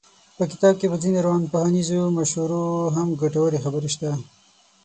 په کتاب کې په ځينو روانپوهنیزو مشورو هم ګټورې خبرې شته.